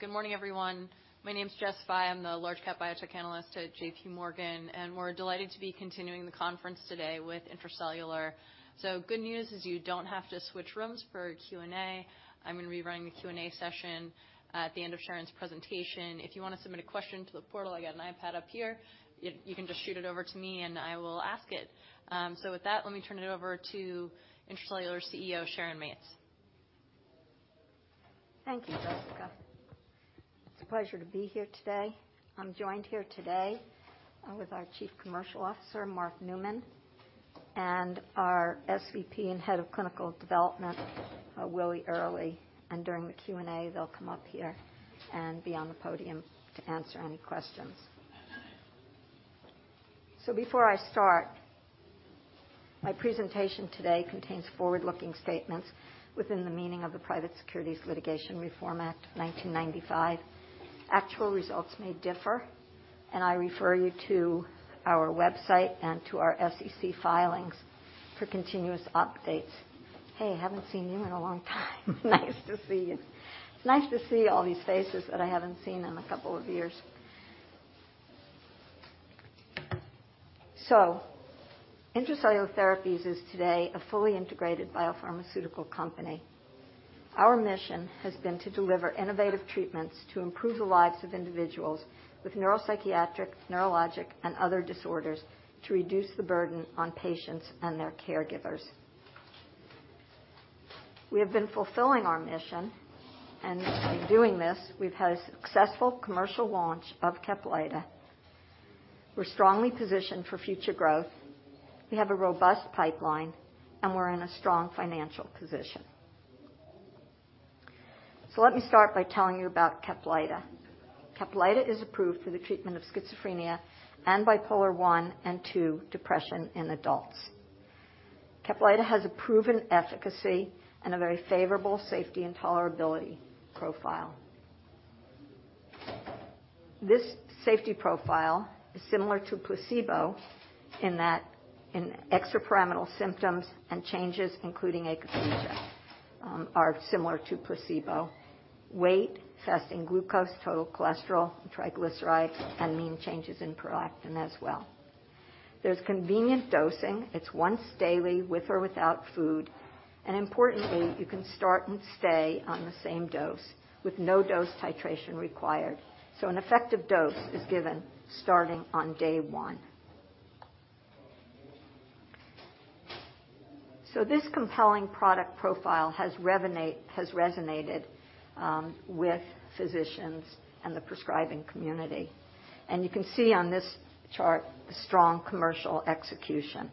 Good morning, everyone. My name's Jessica Fye. I'm the Large-Cap Biotech Analyst at JPMorgan, and we're delighted to be continuing the conference today with Intra-Cellular. Good news is you don't have to switch rooms for Q&A. I'm gonna be running the Q&A session at the end of Sharon Mates' presentation. If you wanna submit a question to the portal, I got an iPad up here. You can just shoot it over to me, and I will ask it. With that, let me turn it over to Intra-Cellular's CEO, Sharon Mates. Thank you, Jessica. It's a pleasure to be here today. I'm joined here today with our Chief Commercial Officer, Mark Newman, and our SVP and Head of Clinical Development, Willie Earley, and during the Q&A, they'll come up here and be on the podium to answer any questions. Before I start, my presentation today contains forward-looking statements within the meaning of the Private Securities Litigation Reform Act of 1995. Actual results may differ, and I refer you to our website and to our SEC filings for continuous updates. Hey, haven't seen you in a long time. Nice to see you. It's nice to see all these faces that I haven't seen in a couple of years. Intra-Cellular Therapies is today a fully integrated biopharmaceutical company. Our mission has been to deliver innovative treatments to improve the lives of individuals with neuropsychiatric, neurologic, and other disorders to reduce the burden on patients and their caregivers. We have been fulfilling our mission, and in doing this, we've had a successful commercial launch of CAPLYTA. We're strongly positioned for future growth. We have a robust pipeline, and we're in a strong financial position. Let me start by telling you about CAPLYTA. CAPLYTA is approved for the treatment of schizophrenia and Bipolar I and II depression in adults. CAPLYTA has a proven efficacy and a very favorable safety and tolerability profile. This safety profile is similar to placebo in that in Extrapyramidal symptoms and changes, including Akathisia, are similar to placebo. Weight, fasting glucose, total cholesterol, triglycerides, and mean changes in Prolactin as well. There's convenient dosing. It's once daily, with or without food. Importantly, you can start and stay on the same dose with no dose titration required. An effective dose is given starting on day one. This compelling product profile has resonated with physicians and the prescribing community. You can see on this chart the strong commercial execution.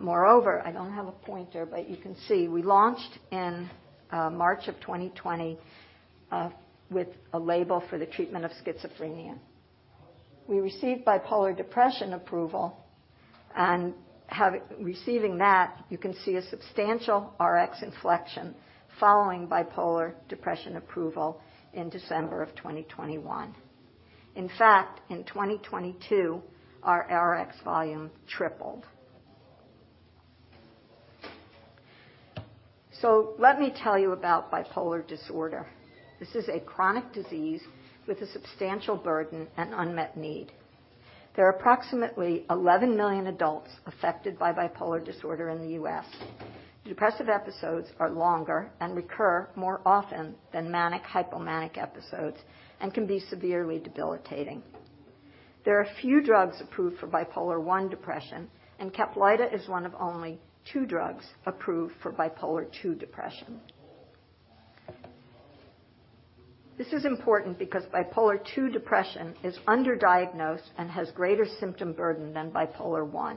Moreover, I don't have a pointer. You can see we launched in March of 2020 with a label for the treatment of schizophrenia. We received bipolar depression approval. Following that, you can see a substantial Rx inflection following bipolar depression approval in December of 2021. In fact, in 2022, our Rx volume tripled. Let me tell you about bipolar disorder. This is a chronic disease with a substantial burden and unmet need. There are approximately 11 million adults affected by bipolar disorder in the U.S. Depressive episodes are longer and recur more often than manic, hypomanic episodes and can be severely debilitating. There are a few drugs approved for Bipolar I depression, CAPLYTA is one of only two drugs approved for Bipolar II depression. This is important because Bipolar II depression is underdiagnosed and has greater symptom burden than Bipolar I.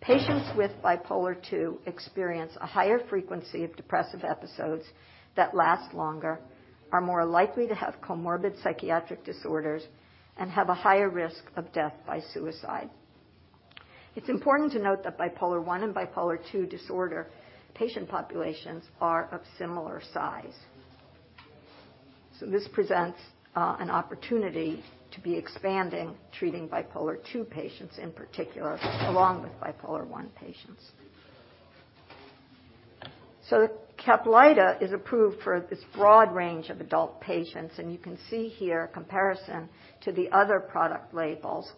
Patients with Bipolar II experience a higher frequency of depressive episodes that last longer, are more likely to have comorbid psychiatric disorders, and have a higher risk of death by suicide. It's important to note that Bipolar I and Bipolar II disorder patient populations are of similar size. This presents an opportunity to be expanding, treating Bipolar II patients in particular, along with Bipolar I patients. CAPLYTA is approved for this broad range of adult patients, and you can see here comparison to the other product labels,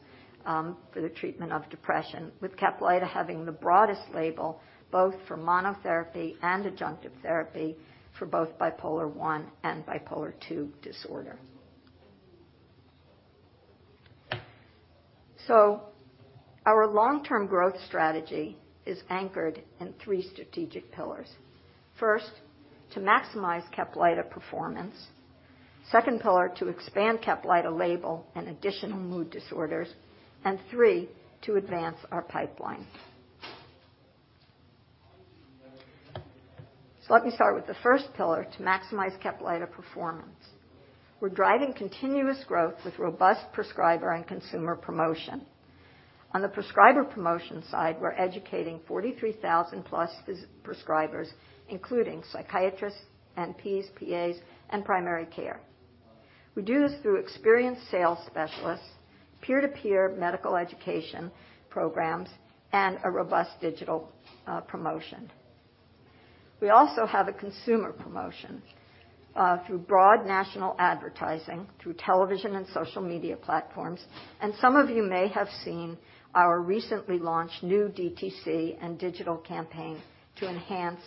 for the treatment of depression, with CAPLYTA having the broadest label, both for monotherapy and adjunctive therapy for both Bipolar I and Bipolar II disorder. Our long-term growth strategy is anchored in three strategic pillars. First, to maximize CAPLYTA performance. Second pillar, to expand CAPLYTA label and additional mood disorders. Three, to advance our pipeline. Let me start with the first pillar, to maximize CAPLYTA performance. We're driving continuous growth with robust prescriber and consumer promotion. On the prescriber promotion side, we're educating 43,000+ prescribers, including psychiatrists, NPs, PAs, and primary care. We do this through experienced sales specialists, peer-to-peer medical education programs, and a robust digital promotion. We also have a consumer promotion through broad national advertising through television and social media platforms. Some of you may have seen our recently launched new DTC and digital campaign to enhance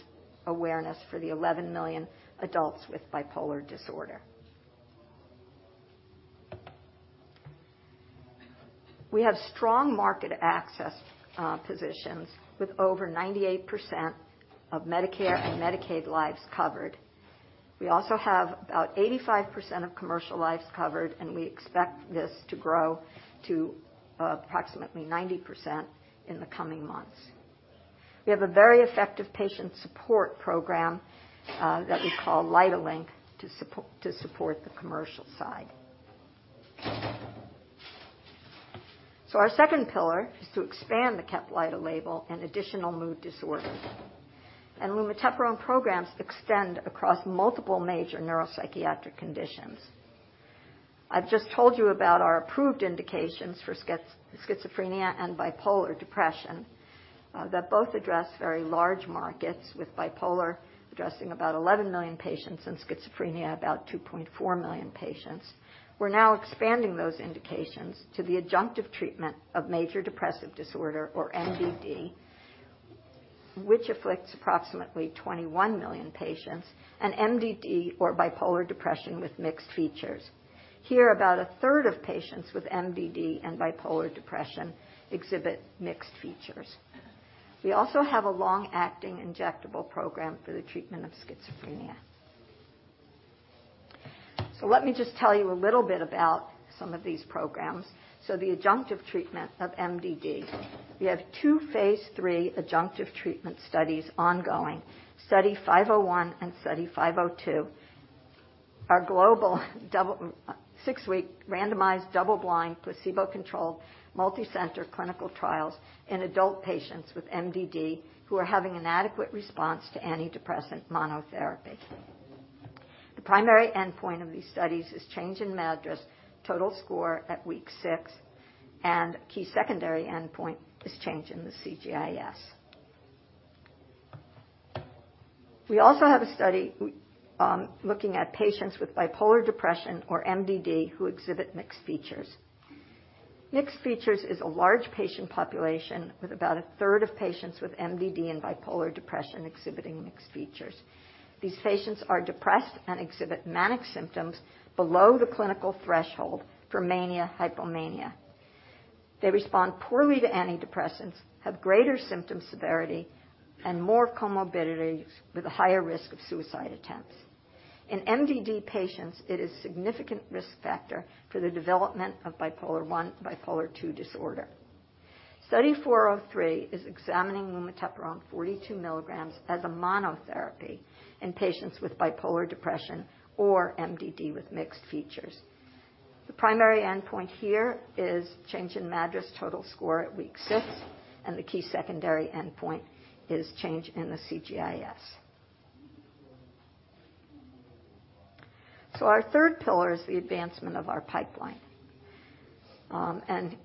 awareness for the 11 million adults with bipolar disorder. We have strong market access positions with over 98% of Medicare and Medicaid lives covered. We also have about 85% of commercial lives covered, and we expect this to grow to approximately 90% in the coming months. We have a very effective patient support program that we call LYTAlink to support the commercial side. Our second pillar is to expand the CAPLYTA label and additional mood disorders. Lumateperone programs extend across multiple major neuropsychiatric conditions. I've just told you about our approved indications for schizophrenia and bipolar depression that both address very large markets, with bipolar addressing about 11 million patients, in schizophrenia about 2.4 million patients. We're now expanding those indications to the adjunctive treatment of major depressive disorder or MDD, which afflicts approximately 21 million patients, and MDD or bipolar depression with mixed features. Here, about a third of patients with MDD and bipolar depression exhibit mixed features. We also have a long-acting injectable program for the treatment of schizophrenia. Let me just tell you a little bit about some of these programs. The adjunctive treatment of MDD. We have two phase III adjunctive treatment studies ongoing, Study 501 and Study 502, are global double 6-week randomized double-blind, placebo-controlled, multicenter clinical trials in adult patients with MDD who are having inadequate response to antidepressant monotherapy. The primary endpoint of these studies is change in MADRS total score at week six, and key secondary endpoint is change in the CGI-S. We also have a study looking at patients with bipolar depression or MDD who exhibit mixed features. Mixed features is a large patient population with about 1/3 of patients with MDD and bipolar depression exhibiting mixed features. These patients are depressed and exhibit manic symptoms below the clinical threshold for mania, hypomania. They respond poorly to antidepressants, have greater symptom severity, and more comorbidities with a higher risk of suicide attempts. In MDD patients, it is significant risk factor for the development of Bipolar I, Bipolar II disorder. Study 403 is examining lumateperone 42 milligrams as a monotherapy in patients with bipolar depression or MDD with mixed features. The primary endpoint here is change in MADRS total score at week 6, and the key secondary endpoint is change in the CGI-S. Our third pillar is the advancement of our pipeline. And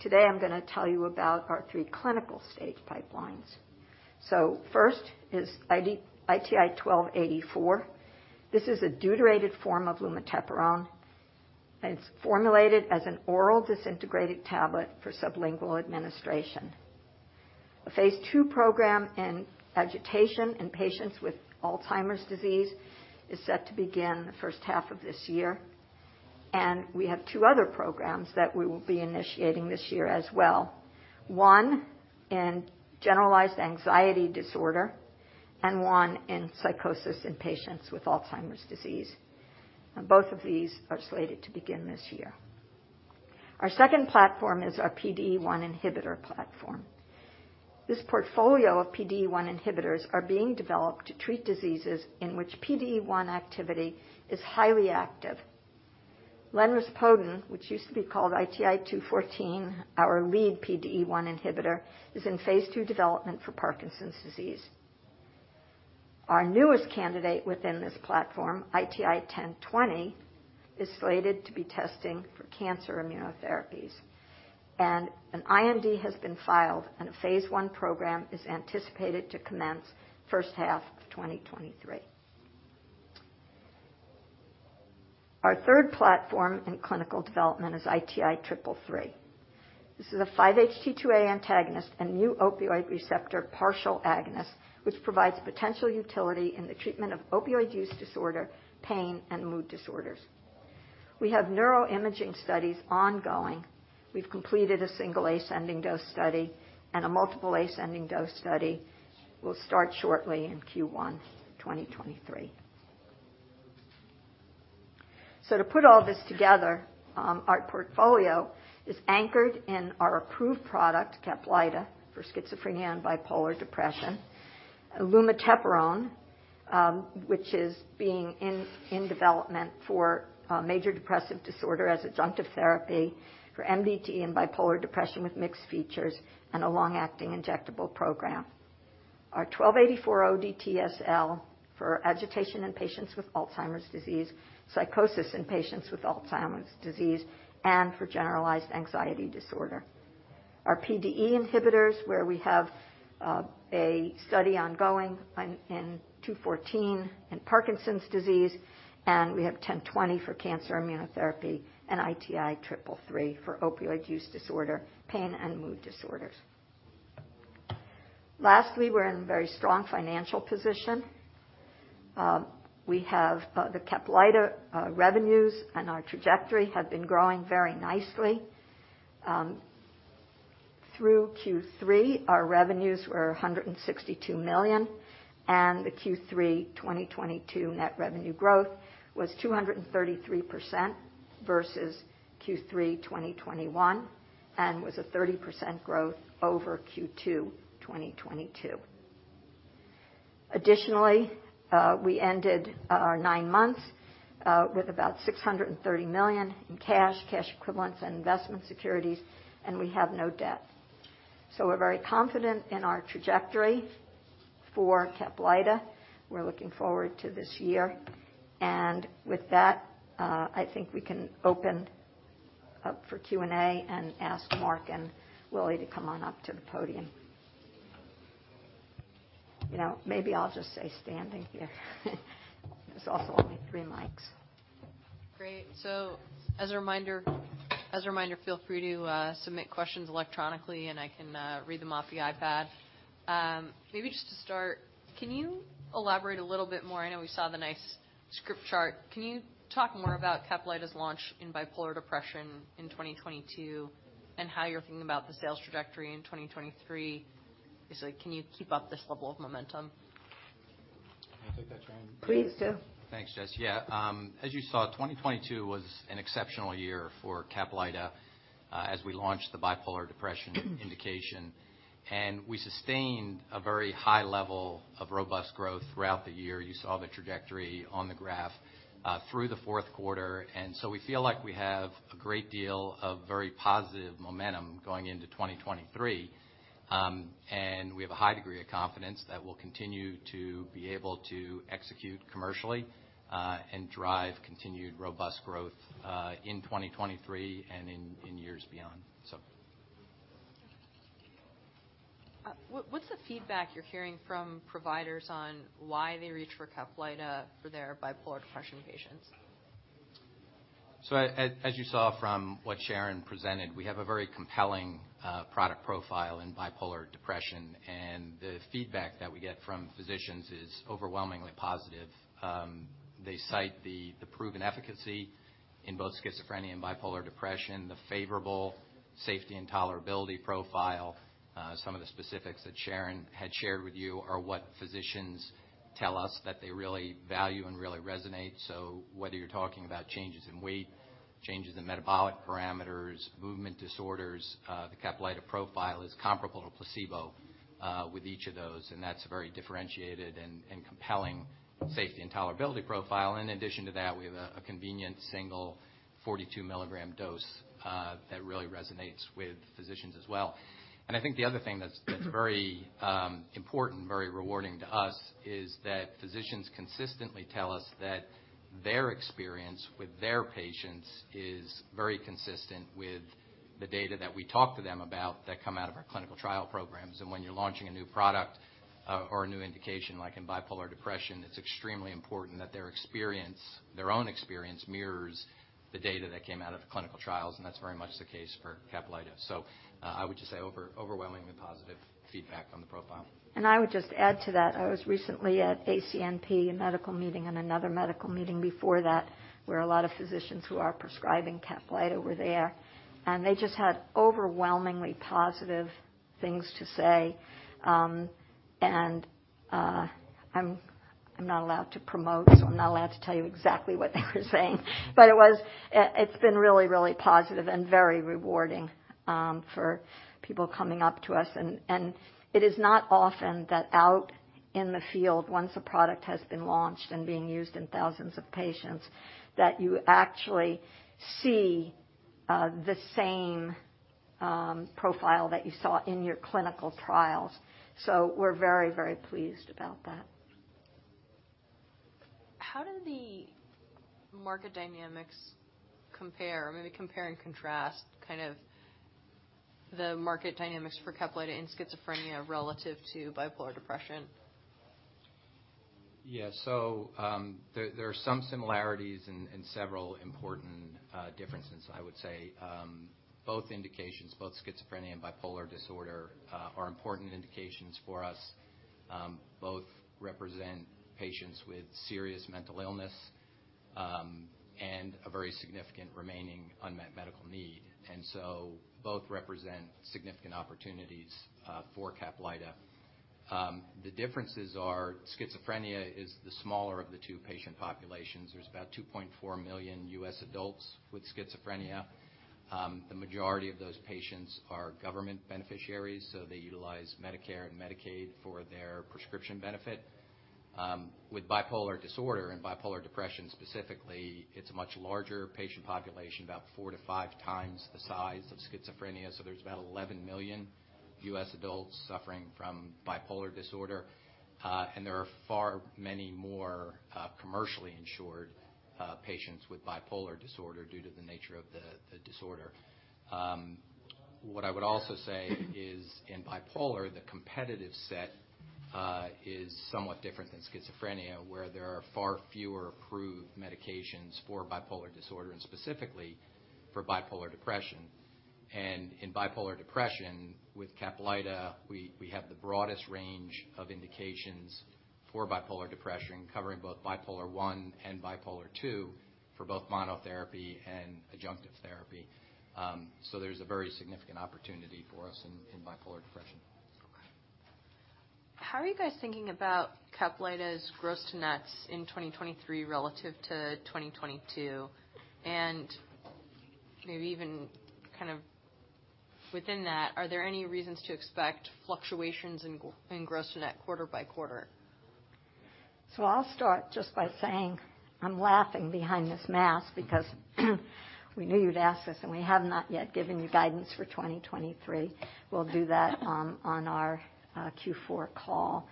today I'm gonna tell you about our three clinical stage pipelines. First is ITI-1284. This is a deuterated form of lumateperone, and it's formulated as an oral disintegrated tablet for sublingual administration. A phase II program in agitation in patients with Alzheimer's disease is set to begin the first half of this year. We have two other programs that we will be initiating this year as well, one in generalized anxiety disorder and one in psychosis in patients with Alzheimer's disease. Both of these are slated to begin this year. Our second platform is our PDE1 inhibitor platform. This portfolio of PDE1 inhibitors are being developed to treat diseases in which PDE1 activity is highly active. Lenrispodun, which used to be called ITI-214, our lead PDE1 inhibitor, is in phase II development for Parkinson's disease. Our newest candidate within this platform, ITI-1020, is slated to be testing for cancer immunotherapies. An IND has been filed, and a phase I program is anticipated to commence first half of 2023. Our third platform in clinical development is ITI-333. This is a 5-HT2A antagonist and mu-opioid receptor partial agonist, which provides potential utility in the treatment of opioid use disorder, pain, and mood disorders. We have neuroimaging studies ongoing. We've completed a single ascending dose study, a multiple ascending dose study will start shortly in Q1 2023. To put all this together, our portfolio is anchored in our approved product, CAPLYTA, for schizophrenia and bipolar depression, lumateperone, which is in development for major depressive disorder as adjunctive therapy for MDD and bipolar depression with mixed features and a long-acting injectable program. Our 1284 ODT SL for agitation in patients with Alzheimer's disease, psychosis in patients with Alzheimer's disease, and for generalized anxiety disorder. Our PDE inhibitors, where we have a study ongoing in 214 in Parkinson's disease, we have 1020 for cancer immunotherapy and ITI 333 for opioid use disorder, pain, and mood disorders. Lastly, we're in very strong financial position. We have the CAPLYTA revenues, our trajectory has been growing very nicely. Through Q3, our revenues were $162 million, the Q3 2022 net revenue growth was 233% versus Q3 2021, and was a 30% growth over Q2 2022. Additionally, we ended our nine months with about $630 million in cash equivalents, and investment securities, we have no debt. We're very confident in our trajectory for CAPLYTA. We're looking forward to this year. With that, I think we can open up for Q&A and ask Mark and Willie to come on up to the podium. Maybe I'll just say standing here. There's also only three mics. Great. As a reminder, feel free to submit questions electronically, and I can read them off the iPad. Maybe just to start, can you elaborate a little bit more. I know we saw the nice script chart. Can you talk more about CAPLYTA's launch in bipolar depression in 2022 and how you're thinking about the sales trajectory in 2023? Basically, can you keep up this level of momentum? Can I take that, Sharon? Please do. Thanks, Jess. As you saw, 2022 was an exceptional year for CAPLYTA, as we launched the bipolar depression indication. We sustained a very high level of robust growth throughout the year. You saw the trajectory on the graph through the fourth quarter. We feel like we have a great deal of very positive momentum going into 2023. We have a high degree of confidence that we'll continue to be able to execute commercially and drive continued robust growth in 2023 and in years beyond. What's the feedback you're hearing from providers on why they reach for CAPLYTA for their bipolar depression patients? As you saw from what Sharon presented, we have a very compelling product profile in bipolar depression. The feedback that we get from physicians is overwhelmingly positive. They cite the proven efficacy in both schizophrenia and bipolar depression, the favorable safety and tolerability profile. Some of the specifics that Sharon had shared with you are what physicians tell us that they really value and really resonate. Whether you're talking about changes in weight, changes in metabolic parameters, movement disorders, the CAPLYTA profile is comparable to placebo with each of those, and that's a very differentiated and compelling safety and tolerability profile. In addition to that, we have a convenient single 42 milligram dose that really resonates with physicians as well. I think the other thing that's very important, very rewarding to us is that physicians consistently tell us that their experience with their patients is very consistent with the data that we talk to them about that come out of our clinical trial programs. When you're launching a new product, or a new indication, like in bipolar depression, it's extremely important that their experience, their own experience mirrors the data that came out of the clinical trials, and that's very much the case for CAPLYTA. I would just say overwhelmingly positive feedback on the profile. I would just add to that, I was recently at ACNP, a medical meeting, and another medical meeting before that, where a lot of physicians who are prescribing CAPLYTA were there, and they just had overwhelmingly positive things to say. I'm not allowed to promote, so I'm not allowed to tell you exactly what they were saying but it was, it's been really, really positive and very rewarding for people coming up to us. It is not often that out in the field, once a product has been launched and being used in thousands of patients, that you actually see the same profile that you saw in your clinical trials. We're very, very pleased about that. How do the market dynamics compare? Maybe compare and contrast kind of the market dynamics for CAPLYTA in schizophrenia relative to bipolar depression. There are some similarities and several important differences, I would say. Both indications, both schizophrenia and bipolar disorder, are important indications for us. Both represent patients with serious mental illness and a very significant remaining unmet medical need. Both represent significant opportunities for CAPLYTA. The differences are schizophrenia is the smaller of the two patient populations. There's about 2.4 million US adults with schizophrenia. The majority of those patients are government beneficiaries, so they utilize Medicare and Medicaid for their prescription benefit. With bipolar disorder and bipolar depression specifically, it's a much larger patient population, about 4x-5x the size of schizophrenia. There's about 11 million US adults suffering from bipolar disorder. There are far many more, commercially insured, patients with bipolar disorder due to the nature of the disorder. What I would also say is in bipolar, the competitive set, is somewhat different than schizophrenia, where there are far fewer approved medications for bipolar disorder and specifically for bipolar depression. In bipolar depression with CAPLYTA, we have the broadest range of indications for bipolar depression, covering both Bipolar I and Bipolar II for both monotherapy and adjunctive therapy. There's a very significant opportunity for us in bipolar depression. How are you guys thinking about CAPLYTA's gross to nets in 2023 relative to 2022? Maybe even kind of within that, are there any reasons to expect fluctuations in gross to net quarter by quarter? I'll start just by saying I'm laughing behind this mask because we knew you'd ask this, and we have not yet given you guidance for 2023. We'll do that on our Q4 call.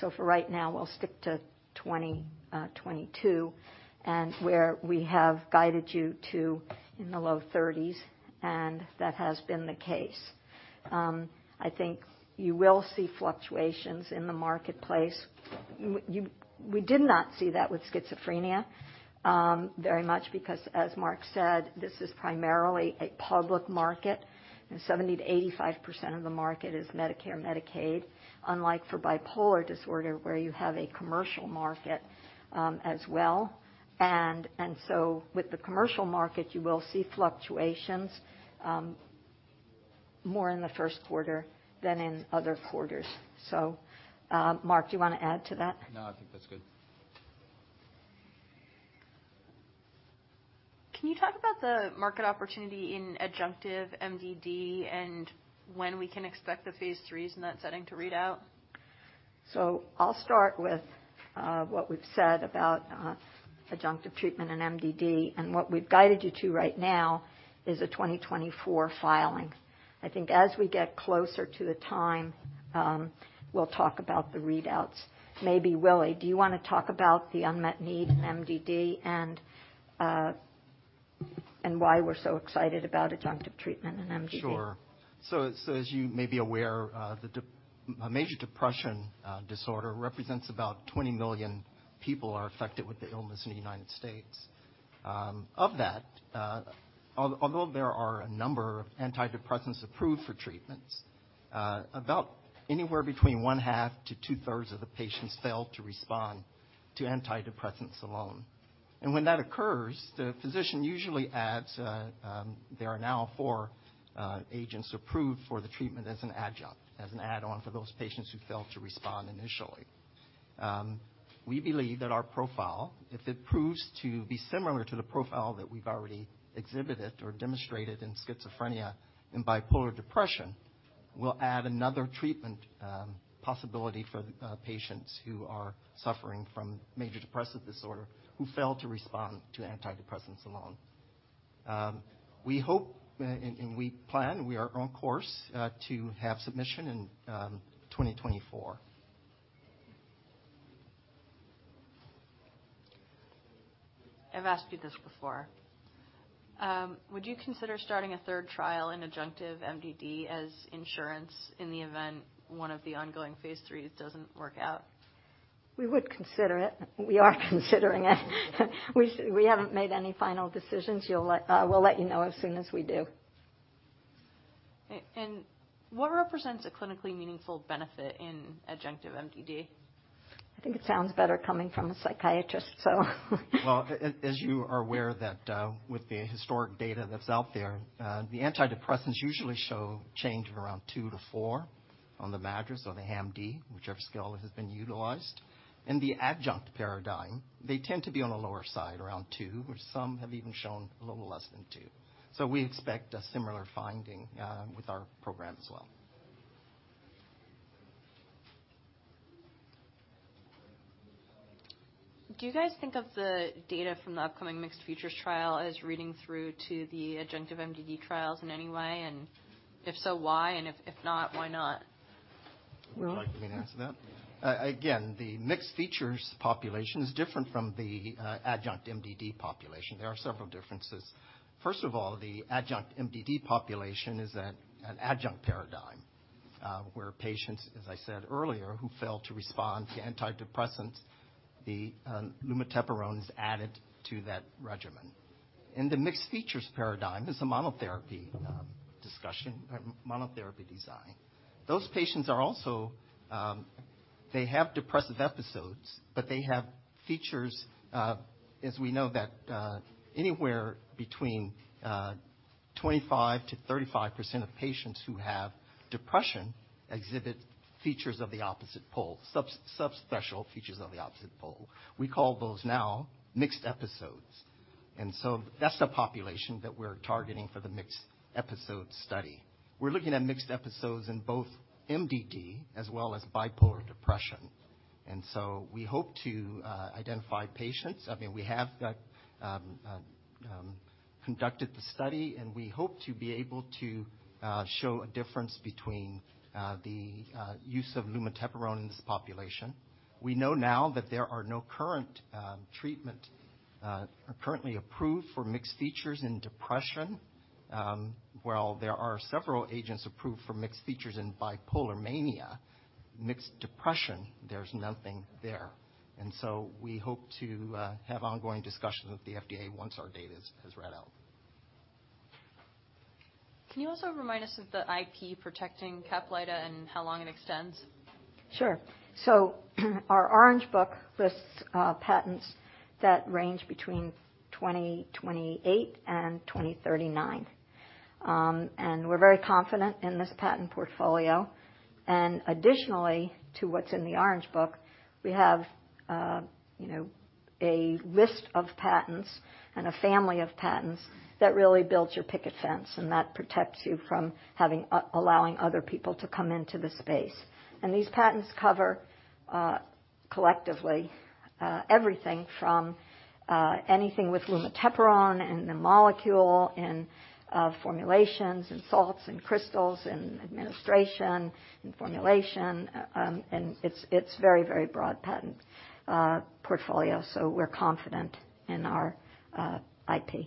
For right now, we'll stick to 2022 and where we have guided you to in the low 30s, and that has been the case. I think you will see fluctuations in the marketplace. We did not see that with schizophrenia very much because as Mark said, this is primarily a public market, and 70%-85% of the market is Medicare, Medicaid, unlike for bipolar disorder, where you have a commercial market as well. With the commercial market, you will see fluctuations more in the first quarter than in other quarters. Mark, do you wanna add to that? No, I think that's good. Can you talk about the market opportunity in adjunctive MDD and when we can expect the phase IIIs in that setting to read out? I'll start with what we've said about adjunctive treatment in MDD. What we've guided you to right now is a 2024 filing. I think as we get closer to the time, we'll talk about the readouts. Maybe, Willie, do you wanna talk about the unmet need in MDD and why we're so excited about adjunctive treatment in MDD? Sure. As you may be aware, a major depressive disorder represents about 20 million people are affected with the illness in the United States. Of that, although there are a number of antidepressants approved for treatments, about anywhere between one half to two-thirds of the patients fail to respond to antidepressants alone. When that occurs, the physician usually adds, there are now four agents approved for the treatment as an adjunct, as an add-on for those patients who failed to respond initially. We believe that our profile, if it proves to be similar to the profile that we've already exhibited or demonstrated in schizophrenia, in bipolar depression, will add another treatment possibility for patients who are suffering from major depressive disorder who fail to respond to antidepressants alone. We hope, and we plan, we are on course, to have submission in 2024. I've asked you this before. Would you consider starting a third trial in adjunctive MDD as insurance in the event one of the ongoing phase IIIs doesn't work out? We would consider it. We are considering it. We haven't made any final decisions. We'll let you know as soon as we do. What represents a clinically meaningful benefit in adjunctive MDD? I think it sounds better coming from a psychiatrist, so. As you are aware that, with the historic data that's out there, the antidepressants usually show change of around 2 to 4 on the MADRS or the HAM-D, whichever scale has been utilized. In the adjunct paradigm, they tend to be on a lower side, around 2, or some have even shown a little less than 2. We expect a similar finding, with our program as well. Do you guys think of the data from the upcoming Mixed Features trial as reading through to the adjunctive MDD trials in any way? If so, why? If not, why not? Willie? Would you like me to answer that? Again, the mixed features population is different from the adjunct MDD population. There are several differences. First of all, the adjunct MDD population is at an adjunct paradigm, where patients, as I said earlier, who fail to respond to antidepressants, the lumateperone is added to that regimen. In the mixed features paradigm, this is a monotherapy discussion or monotherapy design. Those patients are also, they have depressive episodes, but they have features, as we know that anywhere between 25%-35% of patients who have depression exhibit features of the opposite pole, subspecial features of the opposite pole. We call those now mixed episodes. That's the population that we're targeting for the mixed episode study. We're looking at mixed episodes in both MDD as well as bipolar depression. We hope to identify patients. I mean, we have got conducted the study, and we hope to be able to show a difference between the use of lumateperone in this population. We know now that there are no current treatment currently approved for mixed features in depression. While there are several agents approved for mixed features in bipolar mania, mixed depression, there's nothing there. We hope to have ongoing discussions with the FDA once our data is read out. Can you also remind us of the IP protecting CAPLYTA and how long it extends? Sure. Our Orange Book lists patents that range between 2028 and 2039. We're very confident in this patent portfolio. Additionally to what's in the Orange Book, we have a list of patents and a family of patents that really builds your picket fence, and that protects you from having allowing other people to come into the space. These patents cover, collectively, everything from anything with lumateperone and the molecule and formulations and salts and crystals and administration and formulation. It's a very, very broad patent portfolio, so we're confident in our IP.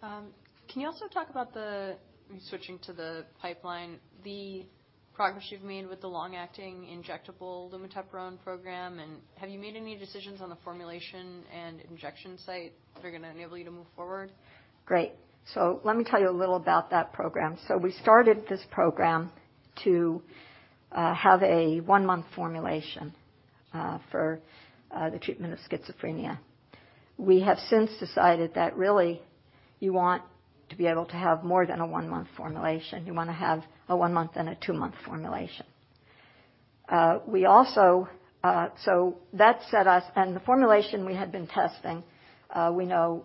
Can you also talk about the, switching to the pipeline, the progress you've made with the long-acting injectable lumateperone program, and have you made any decisions on the formulation and injection site that are gonna enable you to move forward? Great. Let me tell you a little about that program. We started this program to have a 1-month formulation for the treatment of schizophrenia. We have since decided that really you want to be able to have more than a 1-month formulation. You wanna have a 1-month and a 2-month formulation. The formulation we had been testing, we know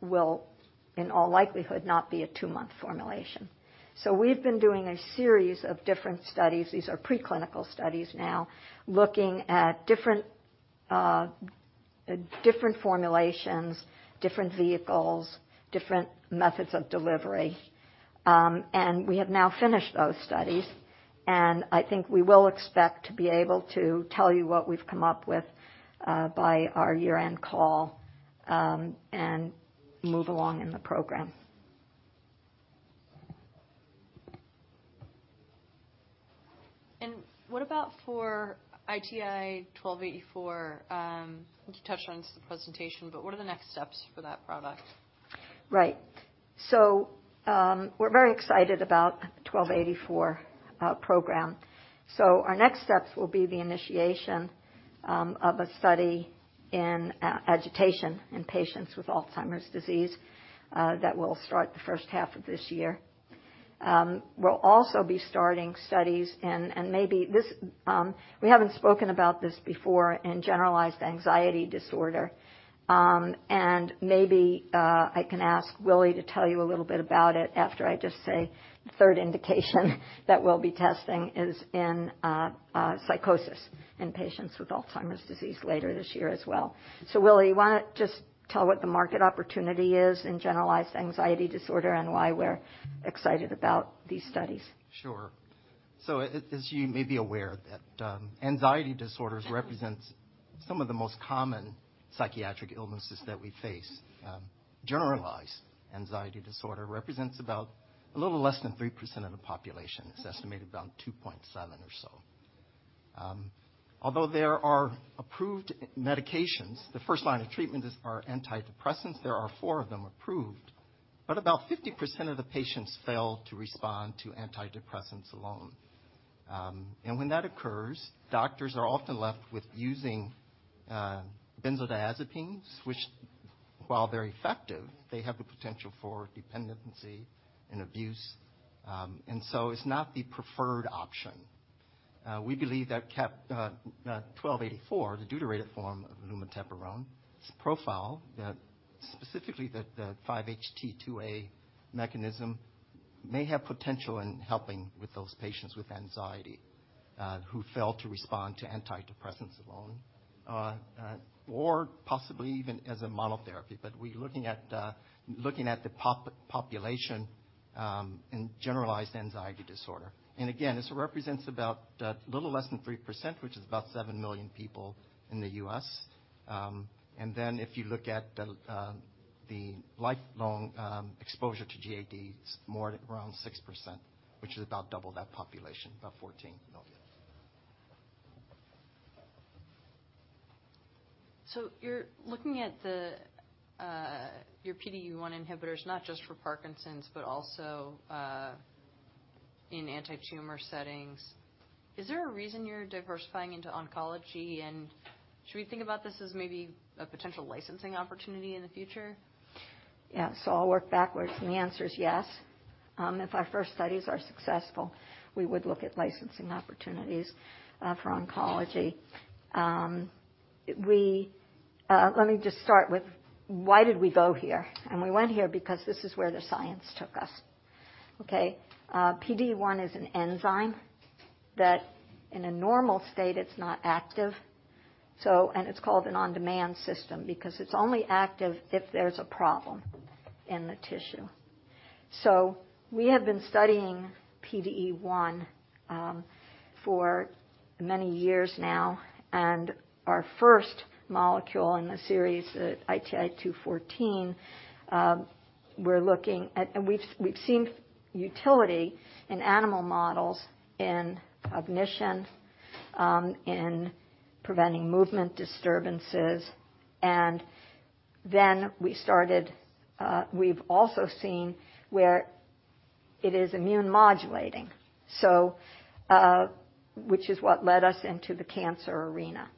will, in all likelihood, not be a 2-month formulation. We've been doing a series of different studies, these are preclinical studies now, looking at different formulations, different vehicles, different methods of delivery. We have now finished those studies, and we will expect to be able to tell you what we've come up with by our year-end call, and move along in the program. What about for ITI-1284? You touched on this in the presentation, but what are the next steps for that product? Right. We're very excited about the ITI-1284 program. Our next steps will be the initiation of a study in agitation in patients with Alzheimer's disease that will start the first half of this year. We'll also be starting studies. We haven't spoken about this before in generalized anxiety disorder. Maybe I can ask Willie to tell you a little bit about it after I just say the third indication that we'll be testing is in psychosis in patients with Alzheimer's disease later this year as well. Willie, you wanna just tell what the market opportunity is in generalized anxiety disorder and why we're excited about these studies? Sure. As you may be aware that, anxiety disorders represents some of the most common psychiatric illnesses that we face. Generalized anxiety disorder represents about a little less than 3% of the population. It's estimated around 2.7 or so. Although there are approved medications, the first line of treatment are antidepressants. There are four of them approved. About 50% of the patients fail to respond to antidepressants alone. When that occurs, doctors are often left with using benzodiazepines, which, while they're effective, they have the potential for dependency and abuse. It's not the preferred option. We believe that CAPLYTA, ITI-1284, the deuterated form of lumateperone's profile that specifically the 5-HT2A mechanism may have potential in helping with those patients with anxiety who fail to respond to antidepressants alone or possibly even as a monotherapy. We're looking at the population in generalized anxiety disorder. This represents about little less than 3%, which is about 7 million people in the U.S. Then if you look at the lifelong exposure to GAD, it's more around 6%, which is about double that population, about 14 million. You're looking at your PDE1 inhibitors, not just for Parkinson's, but also in antitumor settings. Is there a reason you're diversifying into oncology, and should we think about this as maybe a potential licensing opportunity in the future? I'll work backwards, the answer is yes. If our first studies are successful, we would look at licensing opportunities for oncology. Let me just start with why did we go here? We went here because this is where the science took us. PDE1 is an enzyme that in a normal state, it's not active. It's called an on-demand system because it's only active if there's a problem in the tissue. We have been studying PDE1 for many years now. Our first molecule in the series, ITI-214, we've seen utility in animal models, in cognition, in preventing movement disturbances. Then we started, we've also seen where it is immune modulating, so which is what led us into the cancer arena.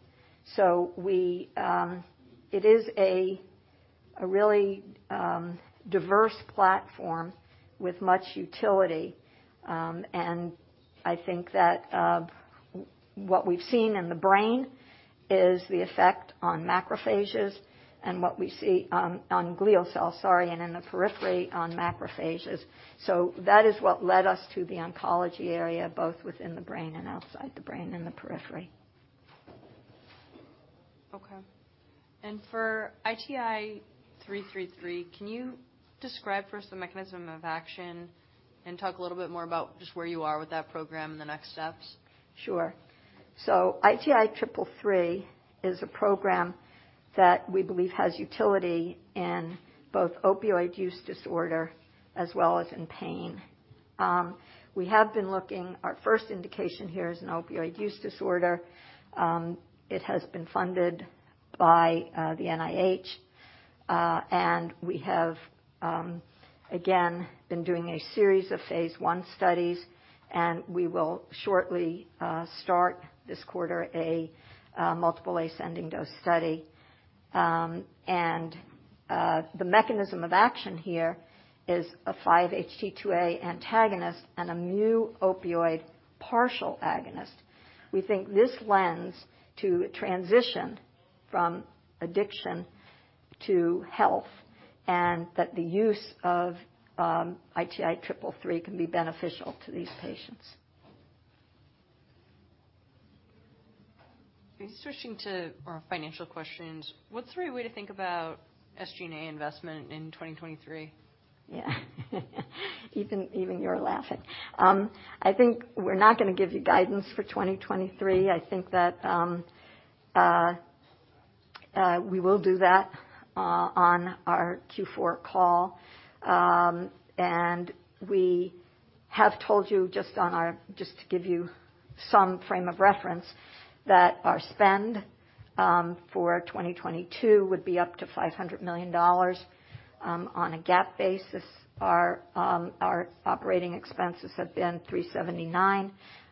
It is a really diverse platform with much utility. I think that what we've seen in the brain is the effect on macrophages and what we see on glial cells, sorry, and in the periphery on macrophages. That is what led us to the oncology area, both within the brain and outside the brain in the periphery. For ITI-333, can you describe for us the mechanism of action and talk a little bit more about just where you are with that program and the next steps? Sure. ITI-333 is a program that we believe has utility in both opioid use disorder as well as in pain. Our first indication here is an opioid use disorder. It has been funded by the NIH. And we have again been doing a series of phase I studies, and we will shortly start this quarter a multiple ascending dose study. The mechanism of action here is a 5-HT2A antagonist and a new opioid partial agonist. We think this lends to transition from addiction to health and that the use of ITI-333 can be beneficial to these patients. Switching to our financial questions. What's the right way to think about SG&A investment in 2023? Even you're laughing. I think we're not gonna give you guidance for 2023. That we will do that on our Q4 Call. We have told you just to give you some frame of reference, that our spend for 2022 would be up to $500 million. On a GAAP basis, our operating expenses have been $379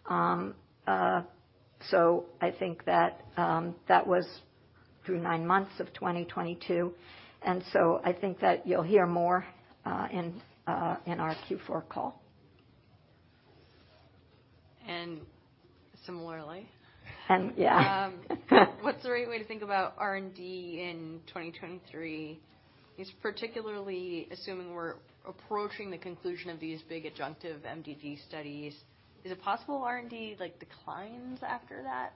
million. I think that was through nine months of 2022. I think that you'll hear more in our Q4 call. And similarly, what's the right way to think about R&D in 2023? Just particularly assuming we're approaching the conclusion of these big adjunctive MDD studies, is it possible R&D like declines after that?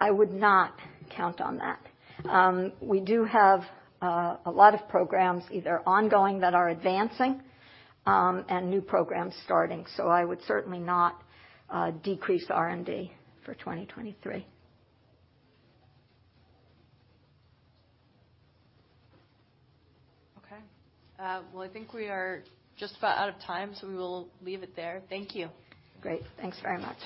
I would not count on that. We do have a lot of programs either ongoing that are advancing, and new programs starting. I would certainly not decrease R&D for 2023. Well, we are just about out of time, we will leave it there. Thank you. Great. Thanks very much.